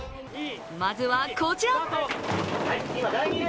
まずは、こちら！